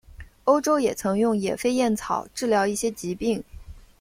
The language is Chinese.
欧洲也曾用野飞燕草治疗一些疾病。